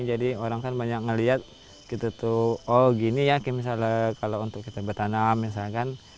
jadi orang kan banyak melihat oh gini ya misalnya kalau untuk kita bertanam misalkan